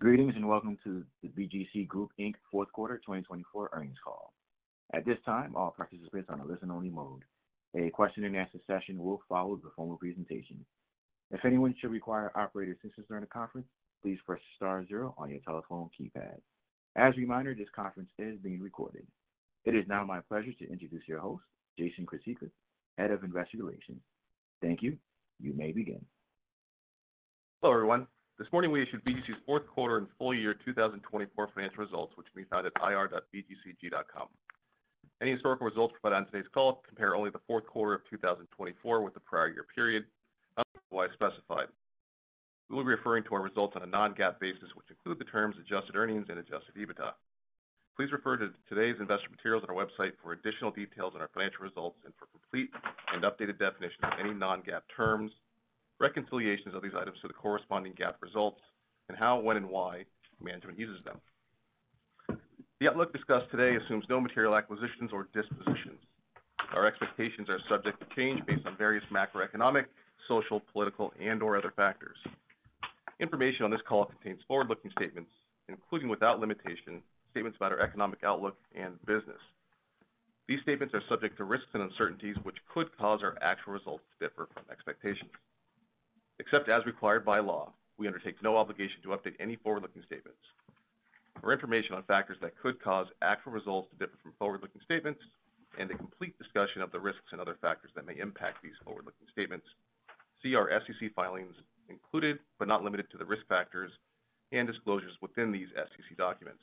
Greetings and welcome to the BGC Group Inc. Q4 2024 earnings call. At this time, all participants are in a listen-only mode. A question-and-answer session will follow the formal presentation. If anyone should require operator assistance during the conference, please press star zero on your telephone keypad. As a reminder, this conference is being recorded. It is now my pleasure to introduce your host, Jason Chryssicas, Head of Investor Relations. Thank you. You may begin. Hello, everyone. This morning, we issued BGC's Q4 and Full Year 2024 Financial Results, which can be found at ir.bgcgroup.com. Any historical results provided on today's call compare only the Q4 of 2024 with the prior year period, otherwise specified. We will be referring to our results on a non-GAAP basis, which includes the terms Adjusted Earnings and Adjusted EBITDA. Please refer to today's investor materials on our website for additional details on our financial results and for complete and updated definitions of any non-GAAP terms, reconciliations of these items to the corresponding GAAP results, and how, when, and why management uses them. The outlook discussed today assumes no material acquisitions or dispositions. Our expectations are subject to change based on various macroeconomic, social, political, and/or other factors. Information on this call contains forward-looking statements, including without limitation, statements about our economic outlook and business. These statements are subject to risks and uncertainties, which could cause our actual results to differ from expectations. Except as required by law, we undertake no obligation to update any forward-looking statements. For information on factors that could cause actual results to differ from forward-looking statements and a complete discussion of the risks and other factors that may impact these forward-looking statements, see our SEC filings included but not limited to the risk factors and disclosures within these SEC documents.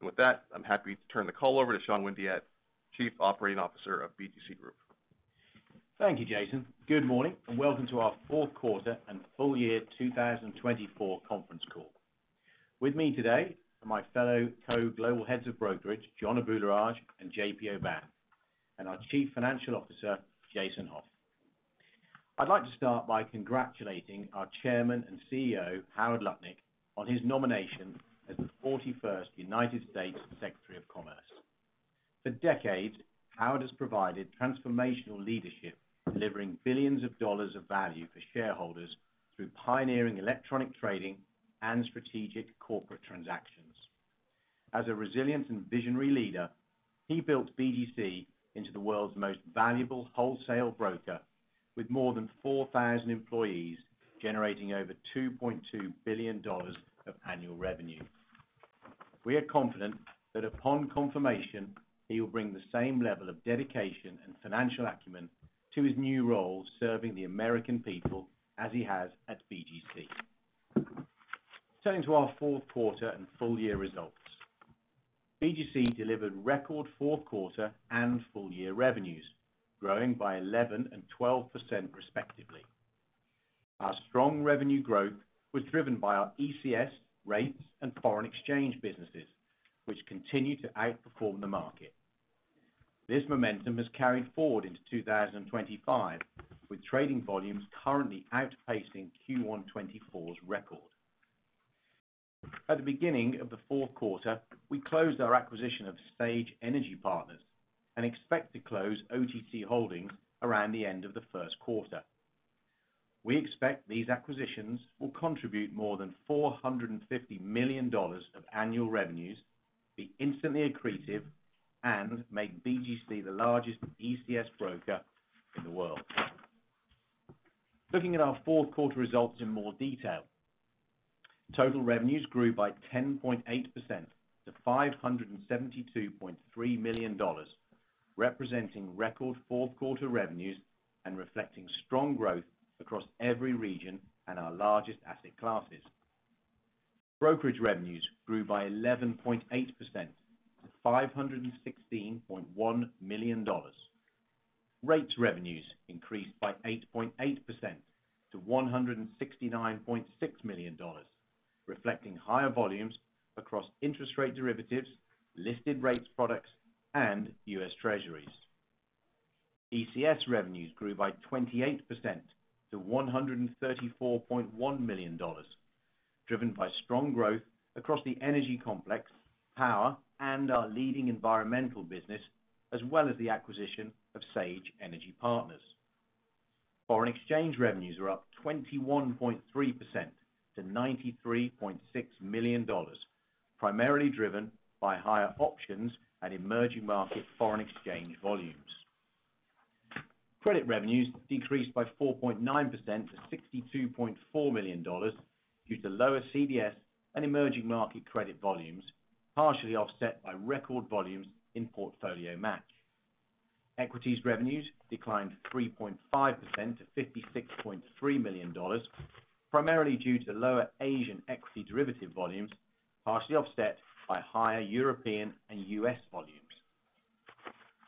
And with that, I'm happy to turn the call over to Sean Windeatt, Chief Operating Officer of BGC Group. Thank you, Jason. Good morning and welcome to our Q4 and Full Year 2024 conference call. With me today are my fellow co-global heads of brokerage, John Abularrage, and JP Aubin, and our Chief Financial Officer, Jason Hauf. I'd like to start by congratulating our Chairman and CEO, Howard Lutnick, on his nomination as the 41st United States Secretary of Commerce. For decades, Howard has provided transformational leadership, delivering billions of dollars of value for shareholders through pioneering electronic trading and strategic corporate transactions. As a resilient and visionary leader, he built BGC into the world's most valuable wholesale broker, with more than 4,000 employees generating over $2.2 billion of annual revenue. We are confident that upon confirmation, he will bring the same level of dedication and financial acumen to his new role serving the American people as he has at BGC. Turning to our Q4 and Full Year results, BGC delivered record Q4 and Full Year revenues, growing by 11% and 12%, respectively. Our strong revenue growth was driven by our ECS, rates, and foreign exchange businesses, which continue to outperform the market. This momentum has carried forward into 2025, with trading volumes currently outpacing Q1 2024's record. At the beginning of the Q4, we closed our acquisition of Sage Energy Partners and expect to close OTC Holdings around the end of the Q4. We expect these acquisitions will contribute more than $450 million of annual revenues, be instantly accretive, and make BGC the largest ECS broker in the world. Looking at our Q4 results in more detail, total revenues grew by 10.8% to $572.3 million, representing record Q4 revenues and reflecting strong growth across every region and our largest asset classes. Brokerage revenues grew by 11.8% to $516.1 million. Rates revenues increased by 8.8% to $169.6 million, reflecting higher volumes across interest rate derivatives, listed rates products, and U.S. Treasuries. ECS revenues grew by 28% to $134.1 million, driven by strong growth across the energy complex, power, and our leading environmental business, as well as the acquisition of Sage Energy Partners. Foreign exchange revenues were up 21.3% to $93.6 million, primarily driven by higher options and emerging market foreign exchange volumes. Credit revenues decreased by 4.9% to $62.4 million due to lower CDS and emerging market credit volumes, partially offset by record volumes in Portfolio Match. Equities revenues declined 3.5% to $56.3 million, primarily due to lower Asian equity derivative volumes, partially offset by higher European and U.S. volumes.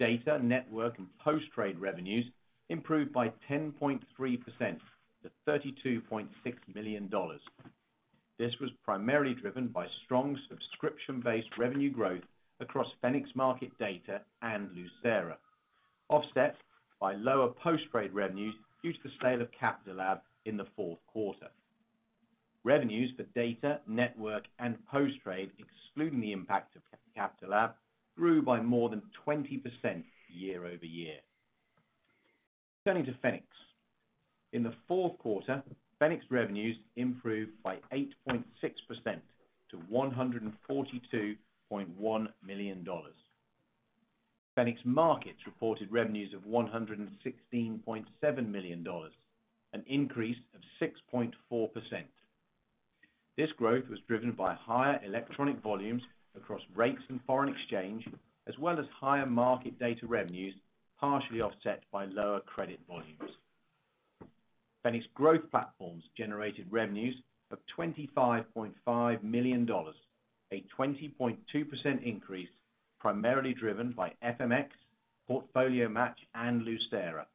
Data, Network, and Post-Trade revenues improved by 10.3% to $32.6 million. This was primarily driven by strong subscription-based revenue growth across Fenics Market Data and Lucera, offset by lower post-trade revenues due to the sale of Capitalab in the Q4. Revenues for Data, Network, and Post-Trade, excluding the impact of Capitalab, grew by more than 20% year over year. Turning to Fenics, in the Q4, Fenics revenues improved by 8.6% to $142.1 million. Fenics Markets reported revenues of $116.7 million, an increase of 6.4%. This growth was driven by higher electronic volumes across rates and foreign exchange, as well as higher market data revenues, partially offset by lower credit volumes. Fenics Growth Platforms generated revenues of $25.5 million, a 20.2% increase, primarily driven by FMX, Portfolio Match, and Lucera,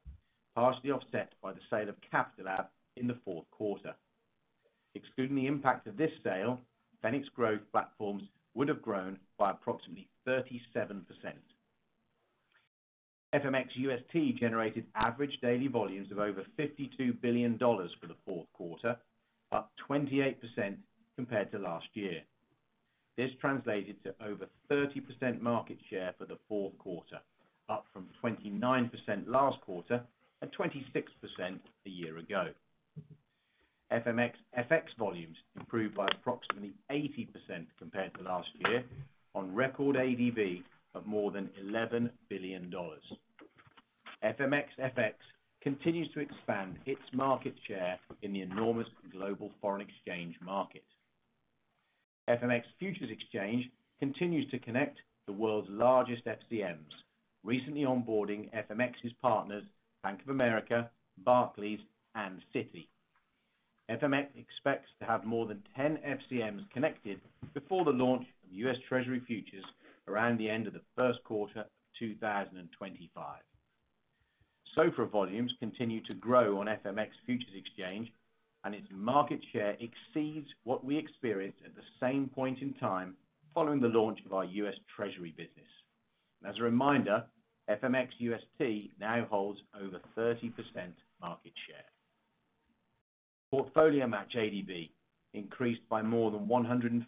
partially offset by the sale of Capitalab in the Q4. Excluding the impact of this sale, Fenics Growth Platforms would have grown by approximately 37%. FMX U.S.T generated average daily volumes of over $52 billion for the Q4, up 28% compared to last year. This translated to over 30% market share for the Q4, up from 29% last quarter and 26% a year ago. FMX FX volumes improved by approximately 80% compared to last year on record ADV of more than $11 billion. FMX FX continues to expand its market share in the enormous global foreign exchange market. FMX Futures Exchange continues to connect the world's largest FCMs, recently onboarding FMX's partners, Bank of America, Barclays, and Citi. FMX expects to have more than 10 FCMs connected before the launch of U.S. Treasury futures around the end of the Q1 of 2025. SOFR volumes continue to grow on FMX Futures Exchange, and its market share exceeds what we experienced at the same point in time following the launch of our U.S. Treasury business. As a reminder, FMX U.S.T now holds over 30% market share. Portfolio Match ADV increased by more than 150%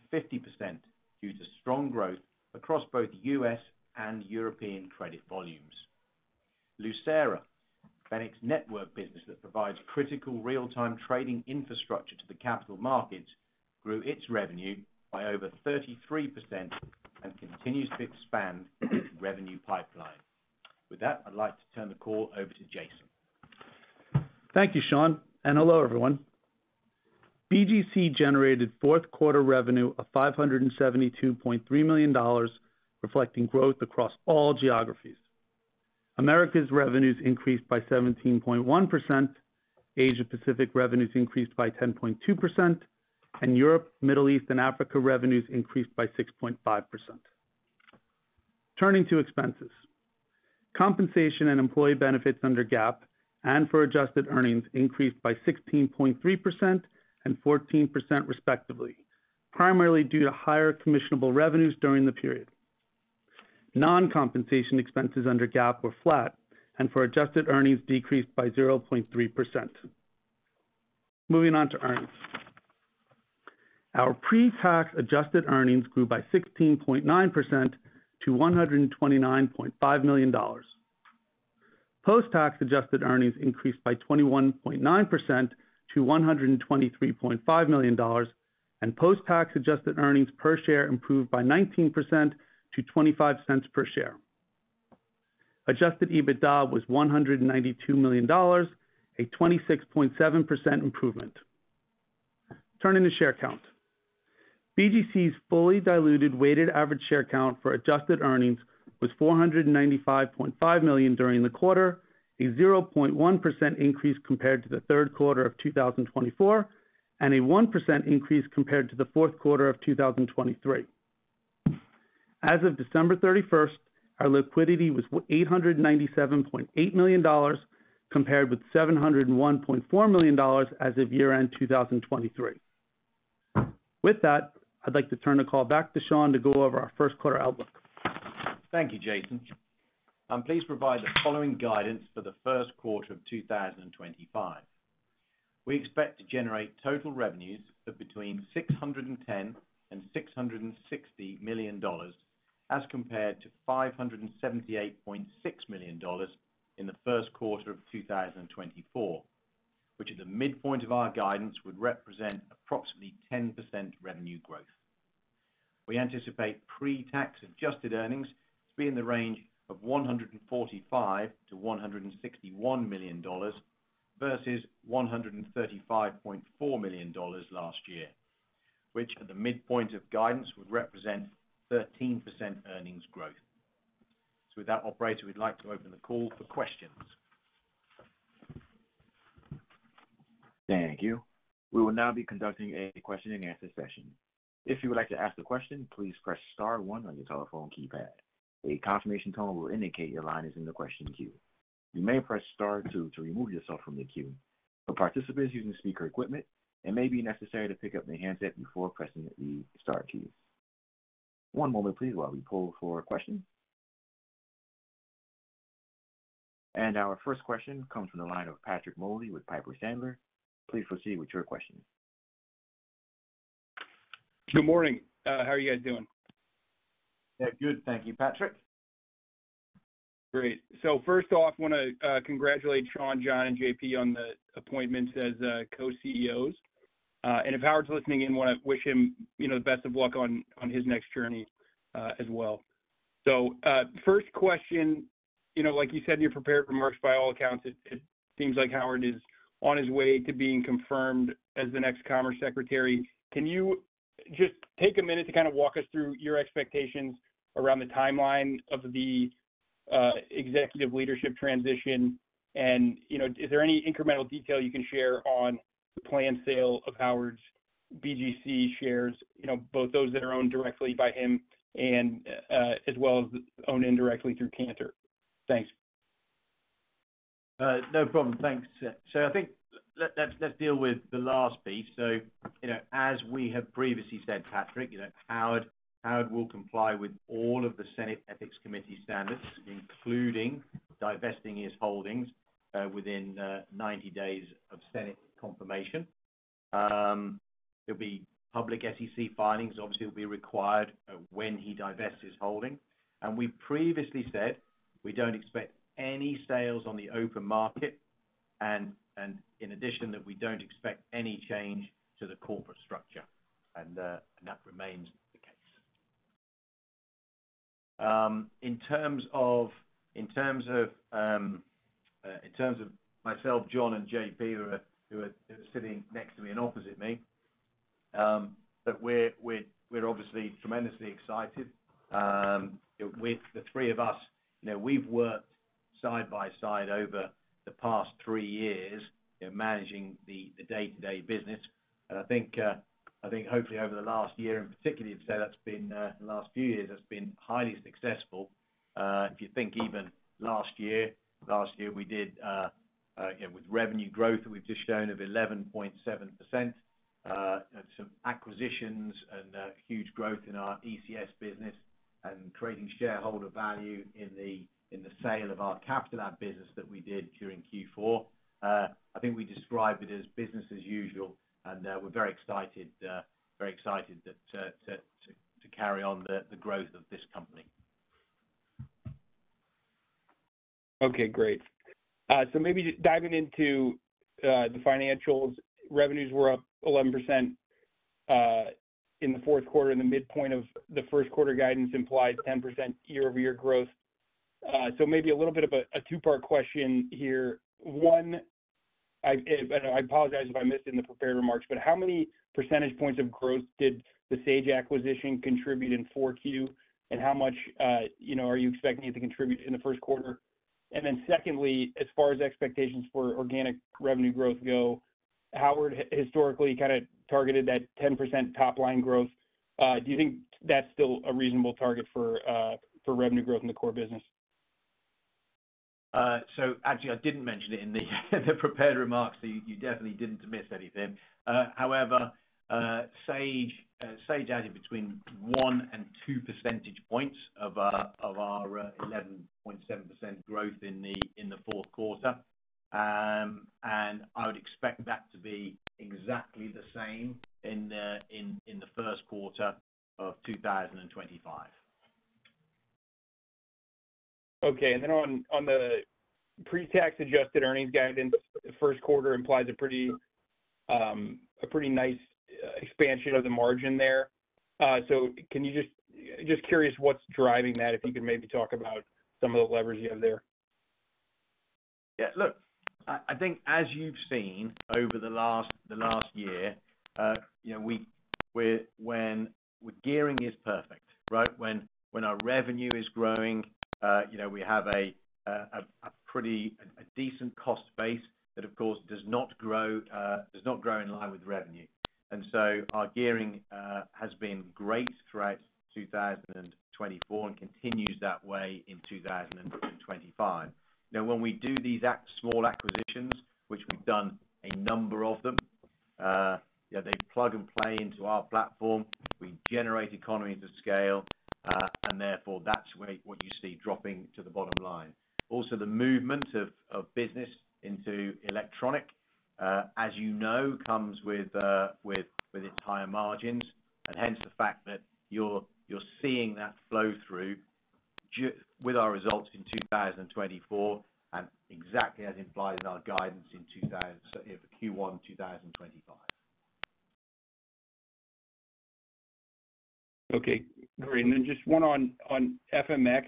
due to strong growth across both U.S. and European credit volumes. Lucera, Fenics Network business that provides critical real-time trading infrastructure to the capital markets, grew its revenue by over 33% and continues to expand its revenue pipeline. With that, I'd like to turn the call over to Jason. Thank you, Sean, and hello, everyone. BGC generated Q4 revenue of $572.3 million, reflecting growth across all geographies. Americas revenues increased by 17.1%, Asia-Pacific revenues increased by 10.2%, and Europe, Middle East, and Africa revenues increased by 6.5%. Turning to expenses, compensation and employee benefits under GAAP and for Adjusted Earnings increased by 16.3% and 14%, respectively, primarily due to higher commissionable revenues during the period. Non-compensation expenses under GAAP were flat, and for Adjusted Earnings decreased by 0.3%. Moving on to earnings. Our pre-tax Adjusted Earnings grew by 16.9% to $129.5 million. Post-tax Adjusted Earnings increased by 21.9% to $123.5 million, and post-tax Adjusted Earnings per share improved by 19% to $0.25 per share. Adjusted EBITDA was $192 million, a 26.7% improvement. Turning to share count. BGC's fully diluted weighted average share count for Adjusted Earnings was $495.5 million during the quarter, a 0.1% increase compared to the Q3 of 2024, and a 1% increase compared to the Q4 of 2023. As of December 31st, our liquidity was $897.8 million, compared with $701.4 million as of year-end 2023. With that, I'd like to turn the call back to Sean to go over our Q1 outlook. Thank you, Jason. Please provide the following guidance for the Q1 of 2025. We expect to generate total revenues of between $610 million and $660 million, as compared to $578.6 million in the Q1 of 2024, which at the midpoint of our guidance would represent approximately 10% revenue growth. We anticipate pre-tax Adjusted Earnings to be in the range of $145-$161 million versus $135.4 million last year, which at the midpoint of guidance would represent 13% earnings growth. So with that, operator, we'd like to open the call for questions. Thank you. We will now be conducting a question and answer session. If you would like to ask a question, please press Star 1 on your telephone keypad. A confirmation tone will indicate your line is in the question queue. You may press Star 2 to remove yourself from the queue. For participants using speaker equipment, it may be necessary to pick up the handset before pressing the Star keys. One moment, please, while we pull for a question. And our first question comes from the line of Patrick Moley with Piper Sandler. Please proceed with your question. Good morning. How are you guys doing? Yeah, good. Thank you, Patrick. Great. First off, I want to congratulate Sean, John, and JP on the appointments as co-CEOs. If Howard's listening in, I want to wish him the best of luck on his next journey as well. First question, like you said, you're prepared for the mark by all accounts. It seems like Howard is on his way to being confirmed as the next Commerce Secretary. Can you just take a minute to kind of walk us through your expectations around the timeline of the executive leadership transition? And is there any incremental detail you can share on the planned sale of Howard's BGC shares, both those that are owned directly by him as well as owned indirectly through Cantor? Thanks. No problem. Thanks, so I think let's deal with the last piece. So as we have previously said, Patrick, Howard will comply with all of the Senate Ethics Committee standards, including divesting his holdings within 90 days of Senate confirmation. There'll be public SEC filings. Obviously, it will be required when he divests his holding. We previously said we don't expect any sales on the open market, and in addition, that we don't expect any change to the corporate structure. That remains the case. In terms of myself, John, and JP, who are sitting next to me and opposite me, we're obviously tremendously excited. With the three of us we've worked side by side over the past three years managing the day-to-day business. I think hopefully over the last year, and particularly I'd say that's been the last few years, that's been highly successful. If you think even last year, last year we did with revenue growth that we've just shown of 11.7%, some acquisitions and huge growth in our ECS business and creating shareholder value in the sale of our Capitalab business that we did during Q4. I think we described it as business as usual, and we're very excited to carry on the growth of this company. Okay, great. So maybe diving into the financials, revenues were up 11% in the Q4, and in the midpoint of the Q1 guidance implies 10% year-over-year growth. So maybe a little bit of a two-part question here. One, I apologize if I missed in the prepared remarks, but how many percentage points of growth did the Sage acquisition contribute in Q4, and how much are you expecting it to contribute in the Q1? And then secondly, as far as expectations for organic revenue growth go, Howard historically kind of targeted that 10% top-line growth. Do you think that's still a reasonable target for revenue growth in the core business? So actually, I didn't mention it in the prepared remarks, so you definitely didn't miss anything. However, Sage added between 1 and 2 percentage points of our 11.7% growth in the Q4. And I would expect that to be exactly the same in the Q1 of 2025. Okay. And then on the pre-tax Adjusted Earnings guidance, the Q1 implies a pretty nice expansion of the margin there. So just curious what's driving that, if you can maybe talk about some of the levers you have there? Yeah. Look, I think as you've seen over the last year, when gearing is perfect, right, when our revenue is growing, we have a decent cost base that, of course, does not grow in line with revenue, and so our gearing has been great throughout 2024 and continues that way in 2025. Now, when we do these small acquisitions, which we've done a number of them, they plug and play into our platform. We generate economies of scale, and therefore that's what you see dropping to the bottom line. Also, the movement of business into electronic, as you know, comes with its higher margins, and hence the fact that you're seeing that flow through with our results in 2024 and exactly as implied in our guidance in Q1 2025. Okay. Great, and then just one on FMX.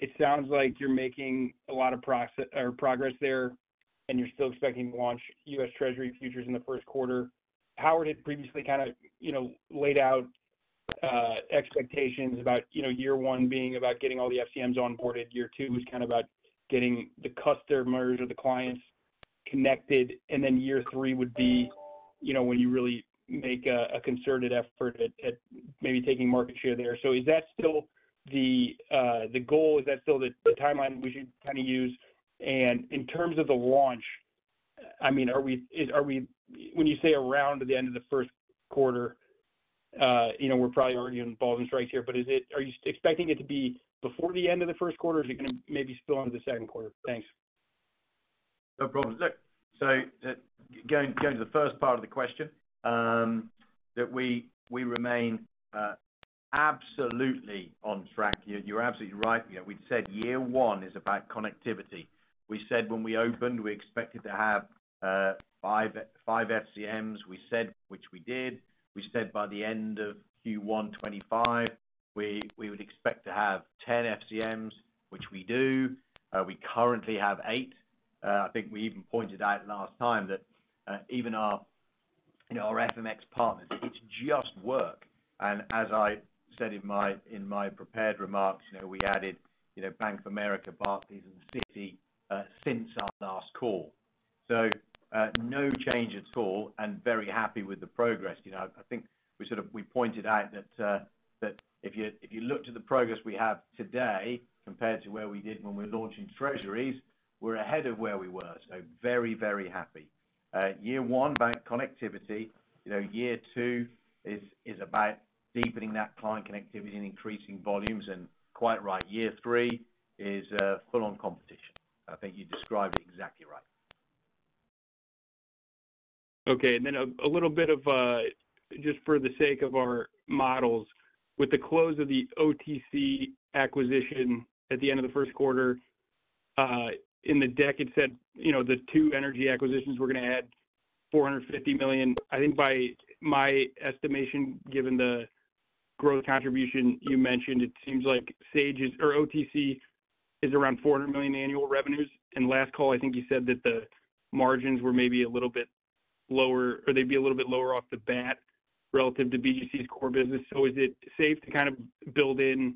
It sounds like you're making a lot of progress there, and you're still expecting to launch U.S. Treasury futures in the Q1. Howard had previously kind of laid out expectations about year one being about getting all the FCMs onboarded. Year two was kind of about getting the customers or the clients connected, and then year three would be when you really make a concerted effort at maybe taking market share there. So, is that still the goal? Is that still the timeline we should kind of use? And in terms of the launch, I mean, when you say around the end of the Q1, we're probably already in balls and strikes here, but are you expecting it to be before the end of the Q1? Is it going to maybe spill into the Q2? Thanks. No problem. So going to the first part of the question, that we remain absolutely on track. You're absolutely right. We'd said year one is about connectivity. We said when we opened, we expected to have five FCMs, which we did. We said by the end of Q1 2025, we would expect to have 10 FCMs, which we do. We currently have eight. I think we even pointed out last time that even our FMX partners, it's just work. And as I said in my prepared remarks, we added Bank of America, Barclays, and Citi since our last call. So no change at all, and very happy with the progress. I think we pointed out that if you look to the progress we have today compared to where we did when we were launching Treasuries, we're ahead of where we were. So very, very happy. Year one, bank connectivity. Year two is about deepening that client connectivity and increasing volumes, and quite right, year three is full-on competition. I think you described it exactly right. Okay. And then a little bit of just for the sake of our models, with the close of the OTC acquisition at the end of the Q1, in the deck, it said the two energy acquisitions, we're going to add $450 million. I think by my estimation, given the growth contribution you mentioned, it seems like OTC is around $400 million annual revenues. And last call, I think you said that the margins were maybe a little bit lower, or they'd be a little bit lower off the bat relative to BGC's core business. So is it safe to kind of build in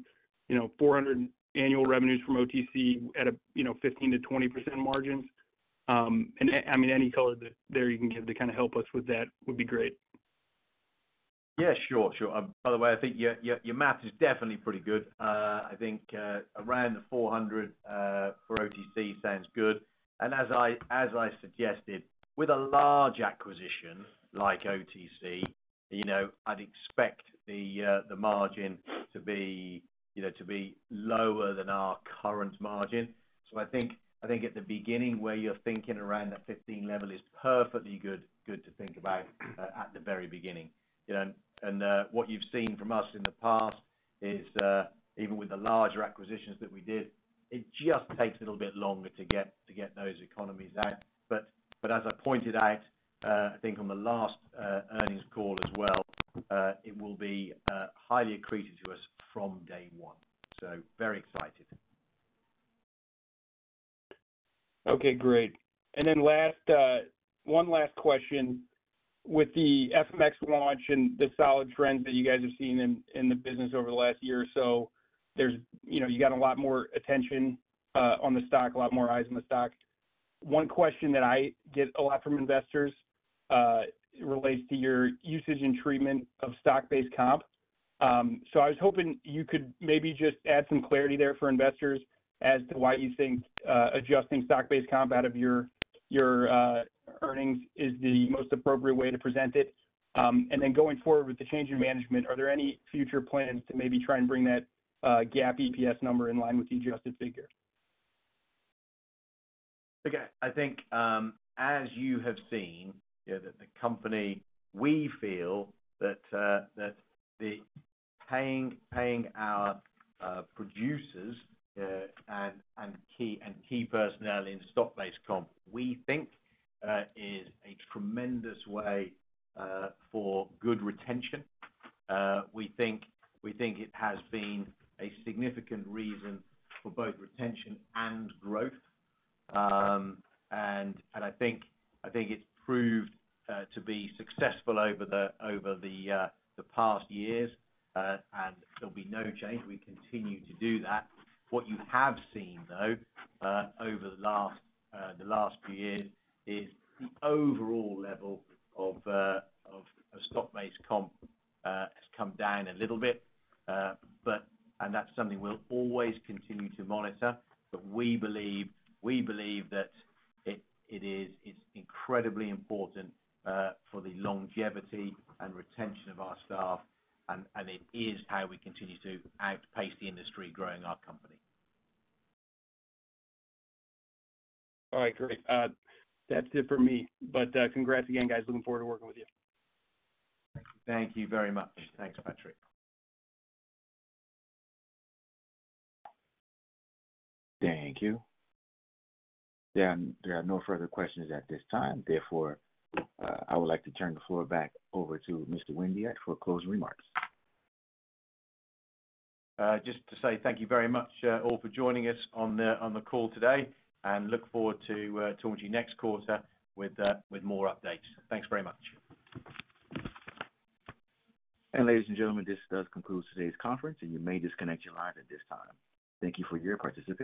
$400 annual revenues from OTC at 15%-20% margins? And I mean, any color there you can give to kind of help us with that would be great. Yeah, sure. Sure. By the way, I think your math is definitely pretty good. I think around the $400 for OTC sounds good. And as I suggested, with a large acquisition like OTC, I'd expect the margin to be lower than our current margin. So I think at the beginning where you're thinking around that 15 level is perfectly good to think about at the very beginning. And what you've seen from us in the past is even with the larger acquisitions that we did, it just takes a little bit longer to get those economies out. But as I pointed out, I think on the last earnings call as well, it will be highly accretive to us from day one. So very excited. Okay, great. And then one last question. With the FMX launch and the solid trends that you guys are seeing in the bus.iness over the last year or so, you got a lot more attention on the stock, a lot more eyes on the stock. One question that I get a lot from investors relates to your usage and treatment of stock-based comp. So I was hoping you could maybe just add some clarity there for investors as to why you think adjusting stock-based comp out of your earnings is the most appropriate way to present it. And then going forward with the change in management, are there any future plans to maybe try and bring that GAAP EPS number in line with the adjusted figure? Okay. I think as you have seen, the company, we feel that paying our producers and key personnel in stock-based comp, we think, is a tremendous way for good retention. We think it has been a significant reason for both retention and growth. And I think it's proved to be successful over the past years, and there'll be no change. We continue to do that. What you have seen, though, over the last few years is the overall level of stock-based comp has come down a little bit. And that's something we'll always continue to monitor. But we believe that it is incredibly important for the longevity and retention of our staff, and it is how we continue to outpace the indtry growing our company. All right. Great. That's it for me. But congrats again, guys. Looking forward to working with you. Thank you very much. Thanks, Patrick. Thank you. There are no further questions at this time. Therefore, I would like to turn the floor back over to Mr. Windeatt for closing remarks. Just to say thank you very much all for joining us on the call today, and look forward to talking to you next quarter with more updates. Thanks very much. Ladies and gentlemen, this does conclude today's conference, and you may disconnect your line at this time. Thank you for your participation.